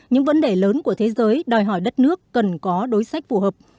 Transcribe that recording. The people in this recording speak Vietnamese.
những vấn đề lớn của thế giới đòi hỏi đất nước cần có đối sách phù hợp